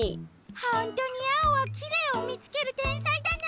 ほんとにアオはきれいをみつけるてんさいだな。